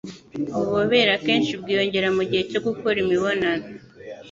ububobere akenshi bwiyongera mu gihe cyo gukora imibonano.